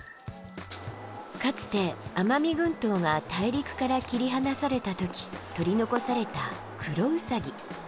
かつて奄美群島が大陸から切り離された時取り残されたクロウサギ。